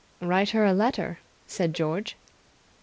"Write her a letter," said George.